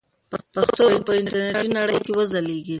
پښتو به په انټرنیټي نړۍ کې وځلیږي.